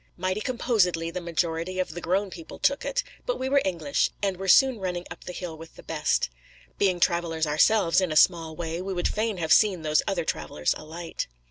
Mighty composedly the majority of the grown people took it. But we were English, and were soon running up the hill with the best. Being travellers ourselves in a small way, we would fain have seen these other travellers alight.